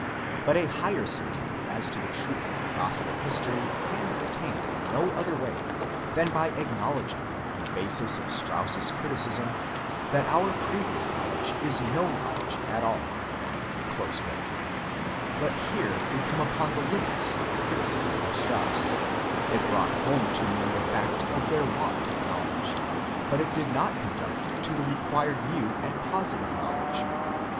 But a higher certainty as INTRODUCTION, ΧΗΣ to the truth of the gospel history can be attained in no other way than by acknowledging, on the basis of Strauss's criticism, that our previous knowledge is no knowledge at all." But here we come upon the limits of the criticism of Strauss: it brought home to men the fact of their want of knowledge, but it did not conduct to the required new and positive know ledge.